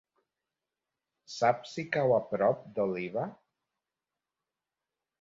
Saps si cau a prop d'Oliva?